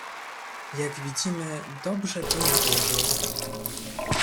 "Jak widzimy dobrze dnia użył."